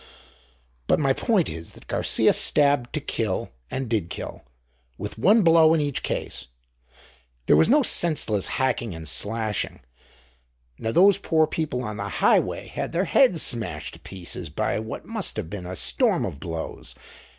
"But my point is that Garcia stabbed to kill and did kill, with one blow in each case. There was no senseless hacking and slashing. Now those poor people on the Highway had their heads smashed to pieces by what must have been a storm of blows.